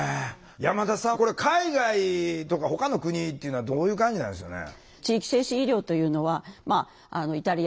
山田さんこれ海外とかほかの国っていうのはどういう感じなんでしょうね？